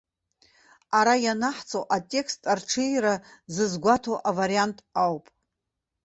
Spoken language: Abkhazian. Ара ианаҳҵо атекст арҽеира зызгәаҭоу авариант ауп.